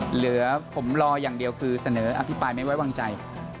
เหลือผมรออย่างเดียวคือเสนออภิปรายไม่ไว้วางใจ